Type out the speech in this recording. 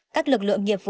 các lực lượng nghiệp vụ